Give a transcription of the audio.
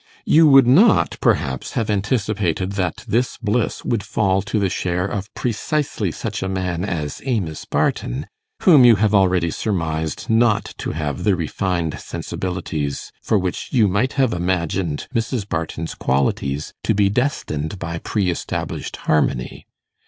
You would not, perhaps, have anticipated that this bliss would fall to the share of precisely such a man as Amos Barton, whom you have already surmised not to have the refined sensibilities for which you might have imagined Mrs. Barton's qualities to be destined by pre established harmony.